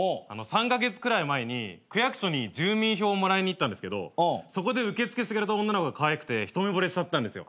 ３カ月くらい前に区役所に住民票をもらいに行ったんですけどそこで受け付けしてくれた女の子がかわいくて一目ぼれしちゃったんですよ。